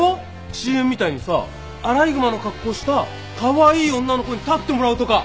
ＣＭみたいにさアライグマの格好したカワイイ女の子に立ってもらうとか。